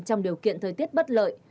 trong điều kiện thời tiết bất lợi